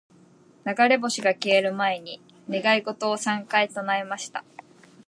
•流れ星が消える前に、願い事を三回唱えました。